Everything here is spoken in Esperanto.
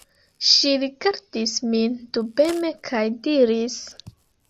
Ŝi rigardis min dubeme kaj diris: